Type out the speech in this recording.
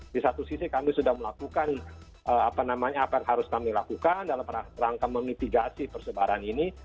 di satu sisi kami sudah melakukan apa namanya apa yang harus kami lakukan dalam rangka memitigasi persebaran ini